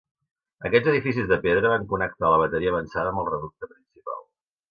Aquests edificis de pedra van connectar la bateria avançada amb el reducte principal.